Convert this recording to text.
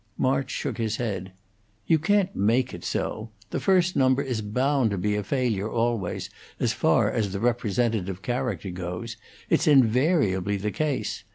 March shook his head. "You can't make it so. The first number is bound to be a failure always, as far as the representative character goes. It's invariably the case.